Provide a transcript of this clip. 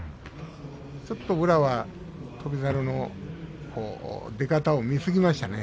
ちょっと宇良は翔猿の出方を見すぎましたね